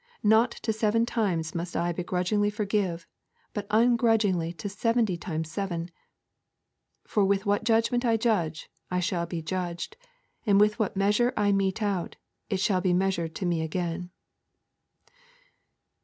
Not to seven times must I grudgingly forgive, but ungrudgingly to seventy times seven. For with what judgment I judge, I shall be judged; and with what measure I mete, it shall be measured to me again.